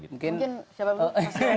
mungkin siapa dulu